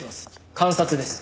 監察です。